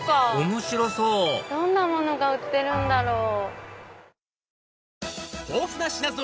面白そうどんなものが売ってるんだろう？